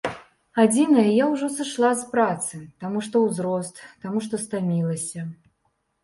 Адзінае, я ўжо сышла з працы, таму што ўзрост, таму што стамілася.